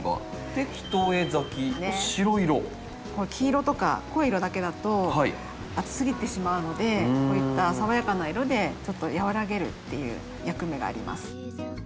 黄色とか濃い色だけだと暑すぎてしまうのでこういった爽やかな色でちょっと和らげるっていう役目があります。